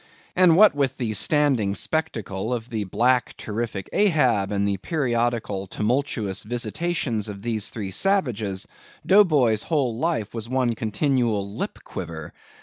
And what with the standing spectacle of the black terrific Ahab, and the periodical tumultuous visitations of these three savages, Dough Boy's whole life was one continual lip quiver.